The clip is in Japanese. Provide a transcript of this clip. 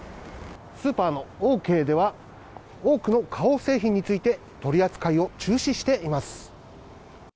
スーパーのオーケーでは、多くの花王製品について取り扱いを中止しています。